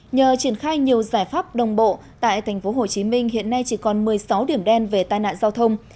nhờ triển khai nhiều giải pháp đồng bộ tại tp hcm hiện nay chỉ còn một mươi sáu điểm đen về tai nạn giao thông